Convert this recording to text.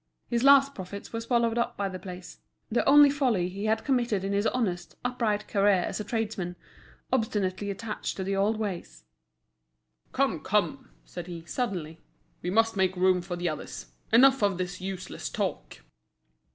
His last profits were swallowed up by the place—the only folly he had committed in his honest, upright career as a tradesman, obstinately attached to the old ways. "Come, come!" said he, suddenly, "we must make room for the others. Enough of this useless talk!"